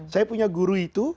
saya punya guru itu